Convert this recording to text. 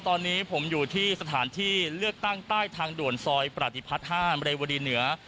ตอนนี้ผมอยู่ที่สถานที่เลือกตั้งใต้ทางด่วนซอยประดิพัฒน์๕เรวดีเหนือ